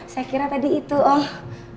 saya kira tadi itu oh